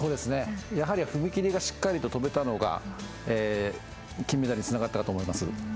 やはり踏み切りがしっかりと飛べたのが金メダルにつながったかと思います。